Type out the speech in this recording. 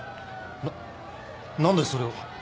な何でそれを？